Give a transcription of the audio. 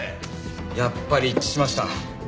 やっぱり一致しました。